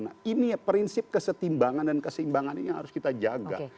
nah ini prinsip kesetimbangan dan keseimbangan ini yang harus kita jaga